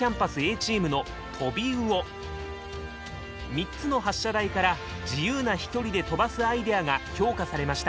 ３つの発射台から自由な飛距離で飛ばすアイデアが評価されました。